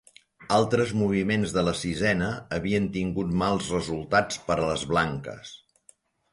Altres moviments de la sisena havien tingut mals resultats per a les blanques.